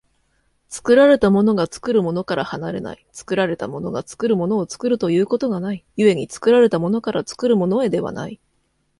作られたものが作るものから離れない、作られたものが作るものを作るということがない、故に作られたものから作るものへではない。